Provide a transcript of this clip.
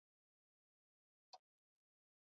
د کارایوس ځینې ډلې د ډي سلوس پر ضد سخت ودرېدل.